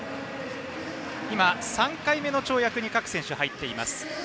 今、３回目の跳躍に各選手が入っています。